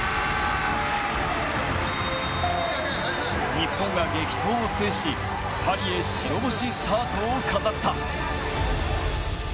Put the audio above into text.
日本が激闘を制しパリへ白星スタートを飾った。